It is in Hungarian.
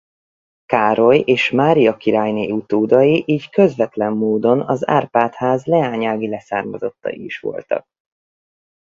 Károly és Mária királyné utódai így közvetlen módon az Árpád-ház leányági leszármazottai is voltak.